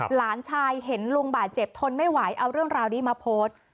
หลานชายเห็นลุงบาดเจ็บทนไม่ไหวเอาเรื่องราวนี้มาโพสต์